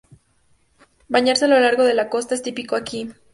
Bañarse a lo largo de la costa es típico aquí.